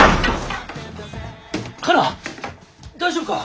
大丈夫か？